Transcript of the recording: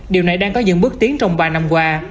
điều này đang có những bước tiến trong ba năm qua